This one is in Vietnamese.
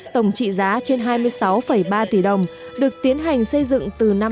tổng trị giá trên hai mươi sáu ba tỷ đồng được tiến hành xây dựng từ năm hai nghìn một mươi năm đến nay